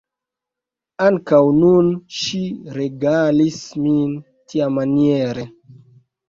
Ankaŭ nun ŝi regalis min tiamaniere.